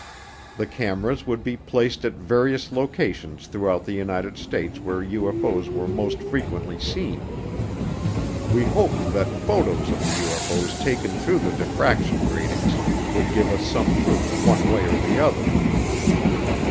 The cameras would be placed at various locations throughout the United States where UFO's were most frequently seen. We hoped that photos of the UFO's taken through the diffraction gratings would give us some proof one way or the other.